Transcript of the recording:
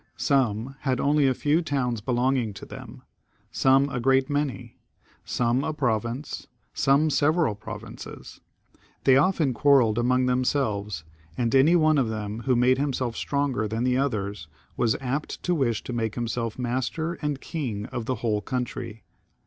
Some had only a few towns belonging to them, some a great many, some a province, some several provinces. They often quarrelled among themselves, and any one of them who made himself stronger than the others was apt to wish to make himself master and king of the whole country.